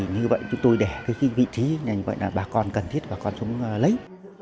như vậy chúng tôi để vị trí bà con cần thiết bà con sống lấy